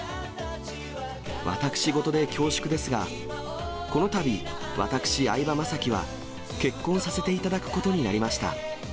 私事で恐縮ですが、このたび、私、相葉雅紀は結婚させていただくことになりました。